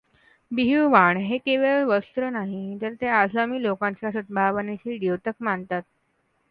बिहू वाण हे केवळ वस्त्र नाही तर हे आसामी लोकांच्या सदभावनेचे द्योतक मानतात्.